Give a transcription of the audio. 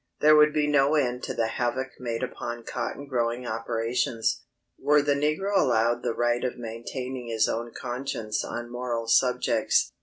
There would be no end to the havoc made upon cotton growing operations, were the negro allowed the right of maintaining his own conscience on moral subjects.